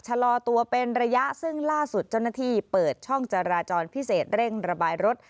ชะลอตัวเป็นระยะซึ่งล่าสุดเจ้าหน้าที่เปิดช่องจราจรพิเศษเร่งระบายรถ